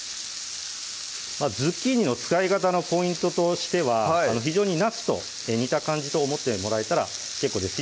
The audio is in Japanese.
ズッキーニの使い方のポイントとしては非常になすと似た感じと思ってもらえたら結構です